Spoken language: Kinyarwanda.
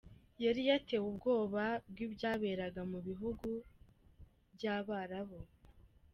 Yari atewe ubwoba bw’ibyaberaga mu bihugu by’abarabu.